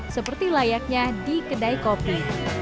seperti layaknya di kedai kopi